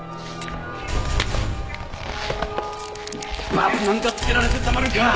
バツなんかつけられてたまるか！